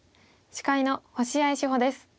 司会の星合志保です。